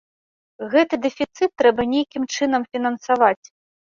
Гэты дэфіцыт трэба нейкім чынам фінансаваць.